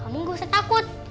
kamu nggak usah takut